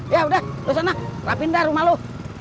yaudah lo sana rapindah rumah lo